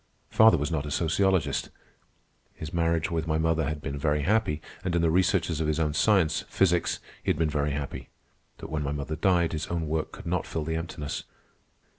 Father was not a sociologist. His marriage with my mother had been very happy, and in the researches of his own science, physics, he had been very happy. But when mother died, his own work could not fill the emptiness.